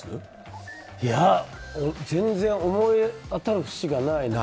全然思い当たる節がないな。